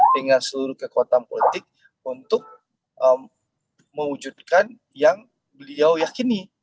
dengan seluruh kekuatan politik untuk mewujudkan yang beliau yakini